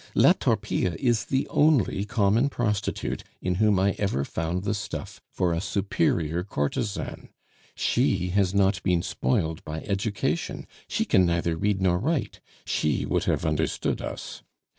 "La Torpille is the only common prostitute in whom I ever found the stuff for a superior courtesan; she has not been spoiled by education she can neither read nor write, she would have understood us.